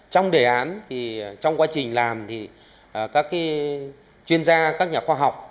trong đề án thì trong quá trình làm thì các chuyên gia các nhà khoa học